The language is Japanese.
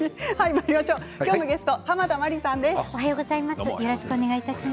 きょうのゲストは濱田マリさんです。